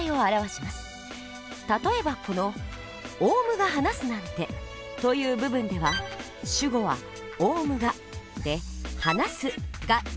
例えばこの「オウムがはなすなんて」という部分では主語は「オウムが」で「はなす」が述語にあたります。